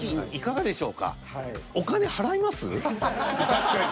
確かに。